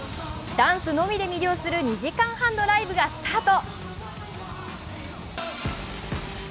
ダンスのみで魅了する２時間半のライブがスタート。